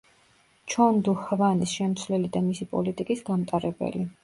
ჩონ დუ ჰვანის შემცვლელი და მისი პოლიტიკის გამტარებელი.